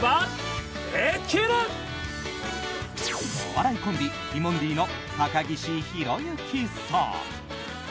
お笑いコンビティモンディの高岸宏行さん。